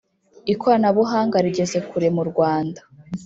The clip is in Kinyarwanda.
ikoranabuhanga rigeze kure mu Rwanda